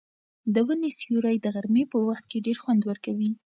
د ونې سیوری د غرمې په وخت کې ډېر خوند ورکوي.